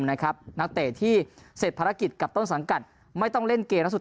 นักเตะที่เสร็จภารกิจกับต้นสังกัดไม่ต้องเล่นเกมนักสุด